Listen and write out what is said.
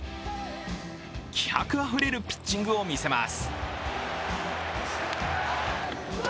気迫あふれるピッチングを見せます。